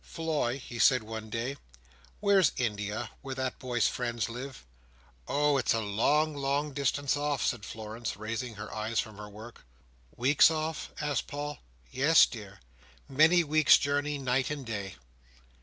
"Floy," he said one day, "where's India, where that boy's friends live?" "Oh, it's a long, long distance off," said Florence, raising her eyes from her work. "Weeks off?" asked Paul. "Yes dear. Many weeks' journey, night and day."